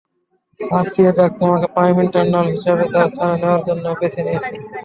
সার্সি, অ্যাজাক তোমাকে prime eternal হিসেবে তার স্থান নেওয়ার জন্য বেছে নিয়েছে।